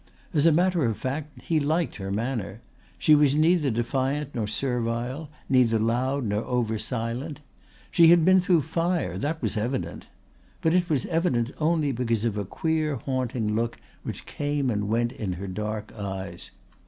As a matter of fact he liked her manner. She was neither defiant nor servile, neither loud nor over silent. She had been through fire; that was evident. But it was evident only because of a queer haunting look which came and went in her dark eyes.